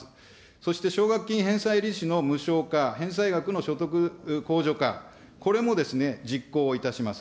そして奨学金返済利子の無償化、返済額の所得控除化、これも実行いたします。